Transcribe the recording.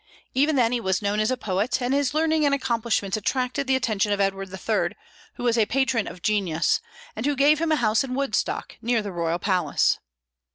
Even then he was known as a poet, and his learning and accomplishments attracted the attention of Edward III., who was a patron of genius, and who gave him a house in Woodstock, near the royal palace.